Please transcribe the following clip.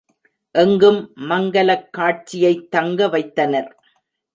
எங்கும் மங்கலக் காட்சியைத் தங்க வைத்தனர்.